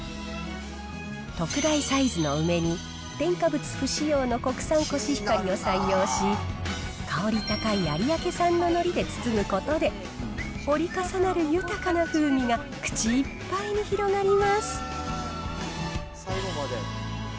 特大サイズの梅に、添加物不使用の国産コシヒカリを採用し、香り高い有明産ののりで包むことで、折り重なる豊かな風味が口いっぱいに広がります。